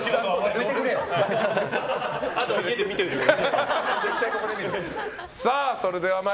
あとは家で見ておいてください。